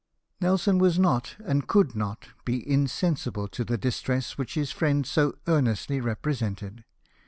Nelson was not, and could not, be insensible to the distress which his friend so earnestly represented.